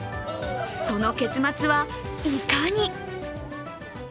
その結末はいかに？